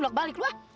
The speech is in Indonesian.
blok blok lu ah